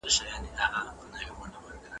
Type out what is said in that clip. د اوبو فشار د عضلاتو پرمختګ لامل کېږي.